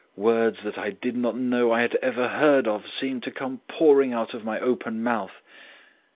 Words that I did not know I had ever heard of seemed to come pouring out of my open mouth.